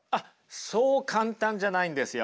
そう簡単じゃないんですよ。